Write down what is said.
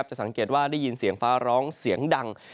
สังเกตว่าได้ยินเสียงฟ้าร้องเสียงดัง